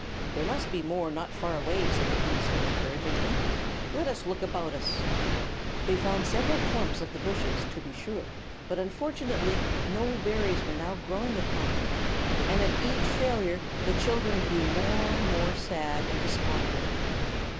"There must be more not far away," said the policeman, encouragingly. "Let us look about us." They found several clumps of the bushes, to be sure; but unfortunately no berries were now growing upon them, and at each failure the children grew more and more sad and despondent.